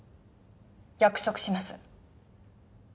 約束します。